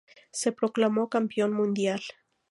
Se proclamó campeón mundial.